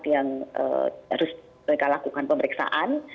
yang harus mereka lakukan pemeriksaan